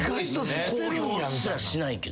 公表すらしないけど。